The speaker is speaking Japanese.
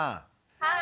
はい。